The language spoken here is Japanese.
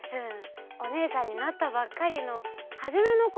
おねえさんになったばっかりのはじめのころね